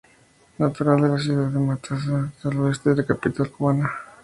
Natural de la ciudad de Matanzas, al oeste de la capital cubana.